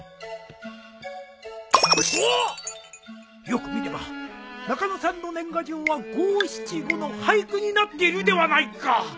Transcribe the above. よく見れば中野さんの年賀状は五・七・五の俳句になっているではないか！